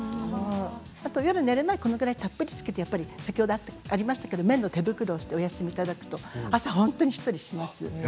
あと夜寝る前このぐらいたっぷりつけて先ほどありましたけれども綿の手袋を付けてお休みになりますと朝、本当にしっとりします。